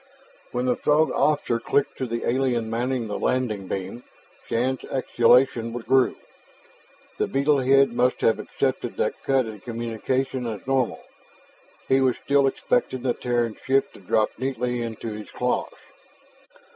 When the Throg officer clicked to the alien manning the landing beam, Shann's exultation grew. The beetle head must have accepted that cut in communication as normal; he was still expecting the Terran ship to drop neatly into his claws.